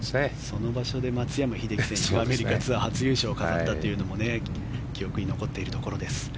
その場所で松山英樹選手がアメリカツアー初優勝を飾ったというのも記憶に残っているところです。